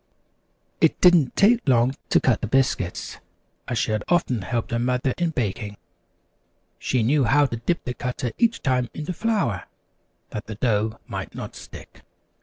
It didn't take long to cut the biscuits, as she had often helped her mother in baking. She knew how to dip the cutter each time into flour, that the dough might not stick.